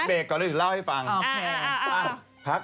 ไปรับลูก